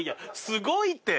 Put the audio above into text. すごいて。